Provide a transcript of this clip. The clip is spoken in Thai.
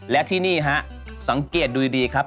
และที่นี่ฮะสังเกตดูดีครับ